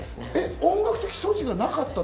音楽的素地がなかった？